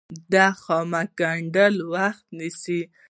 د خامک ګنډل وخت نیسي